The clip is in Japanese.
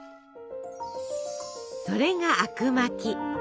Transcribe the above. それがあくまき。